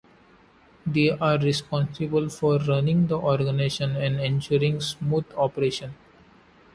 They are responsible for running the organization and ensuring its smooth operation.